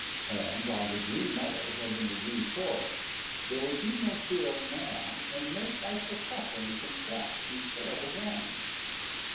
And on the Green Meadows and in the Green Forest there would be no fear of man and no frightful suffering from traps and terrible guns.